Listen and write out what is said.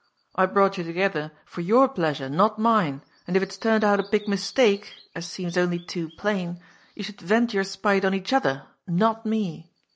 I brought you together for your pleasure, not mine, and if it's turned out a big mistake — as seems only too plain — ^you should vent your spite on each other, not me.